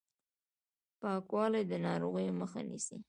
پاکوالی د ناروغیو مخه نیسي